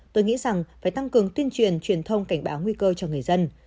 tôi nghĩ rằng phải tăng cường tuyên truyền truyền thông cảnh báo nguy cơ cho người dân